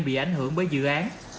bị ảnh hưởng bởi dự án